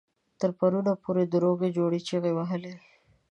تر پرونه پورې د روغې جوړې چيغې وهلې.